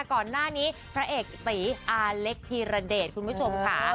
ก่อนหน้านี้พระเอกตีอาเล็กธีรเดชคุณผู้ชมค่ะ